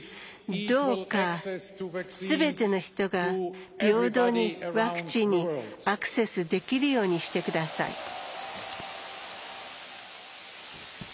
どうか、すべての人が平等にワクチンにアクセスできるようにしてください。